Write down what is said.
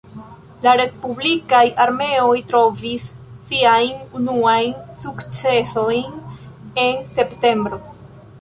La respublikaj armeoj trovis siajn unuajn sukcesojn en septembro.